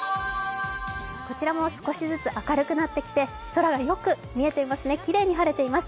こちらも少しずつ明るくなってきて空がよく見えていますね、きれいに晴れています。